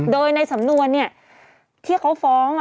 โดยในสำนวนที่เขาฟ้อง